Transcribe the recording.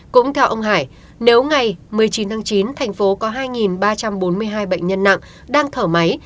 cũng theo ông hải nếu ngày một mươi chín tháng chín thành phố có hai ba trăm bốn mươi hai bệnh nhân nặng đang thở máy